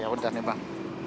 yaudah nih bang